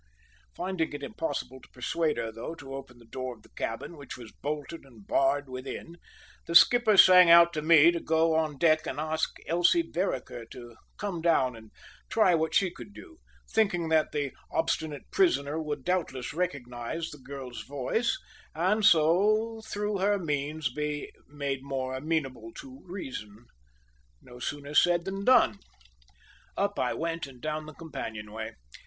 Finding it impossible to persuade her, though, to open the door of the cabin, which was bolted and barred within, the skipper sang out to me to go on deck and ask Elsie Vereker to come down and try what she could do, thinking that the obstinate prisoner would doubtless recognise the girl's voice and so, through her means, be made more amenable to reason. No sooner said than done. Up I went and down the companion way.